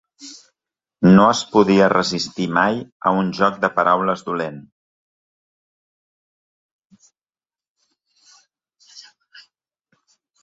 No es podia resistir mai a un joc de paraules dolent.